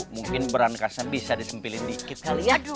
mungkin berangkasnya bisa disempilin dikit kali ya